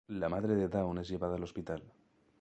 La madre de Dawn es llevada al hospital.